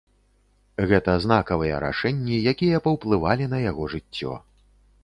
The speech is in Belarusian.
Гэта знакавыя рашэнні, якія паўплывалі на яго жыццё.